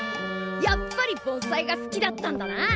やっぱり盆栽が好きだったんだな！